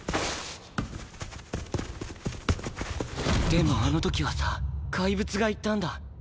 でもあの時はさかいぶつが言ったんだ。